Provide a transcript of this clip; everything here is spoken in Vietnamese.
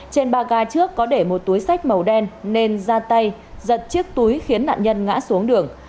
trên ba ga trước có để một túi sách màu đen nên ra tay giật chiếc túi khiến nạn nhân ngã xuống đường